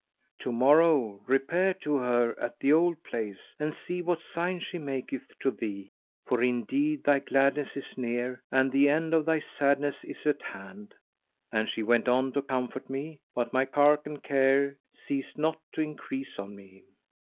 To morrow, repair to her at the old place and see what sign she maketh to thee; for indeed thy gladness is near and the end of thy sadness is at hand." And she went on to comfort me; but my cark and care ceased not to increase on me.